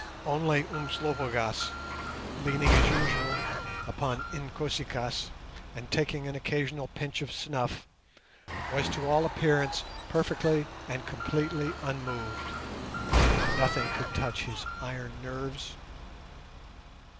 Only Umslopogaas, leaning as usual upon Inkosi kaas and taking an occasional pinch of snuff, was to all appearance perfectly and completely unmoved. Nothing could touch his iron nerves.